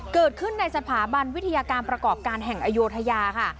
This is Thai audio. เกิดขึ้นในสถาบันวิทยาการประกอบการแห่งอโยธยาค่ะ